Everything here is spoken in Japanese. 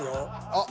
あっ。